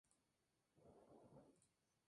Estas teorías tuvieron importantes críticos.